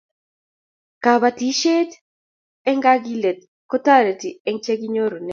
kabatishiet eng' kakilet ko tareti eng chekinyorune